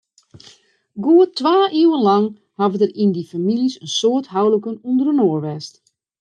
Goed twa iuwen lang hawwe der yn dy famyljes in soad houliken ûnderinoar west.